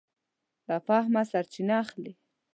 له فهمه سرچینه اخلي.